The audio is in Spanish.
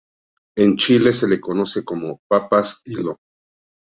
En Chile se le conoce como "papas hilo".